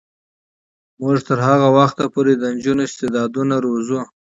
موږ به تر هغه وخته پورې د نجونو استعدادونه روزو.